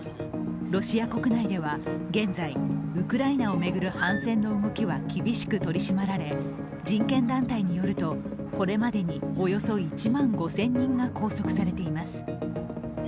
ロシア国内では現在ウクライナを巡る反戦の動きは厳しく取り締まられ、人権団体によるとこれまでにおよそ１万５０００人が拘束されています。